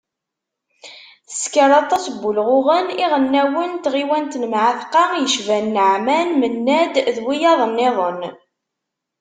Tessker aṭas n wulɣuɣen iɣelnawen n tɣiwant n Mεatqa, yecban Naɛman Menad d wiyaḍ-nniḍen.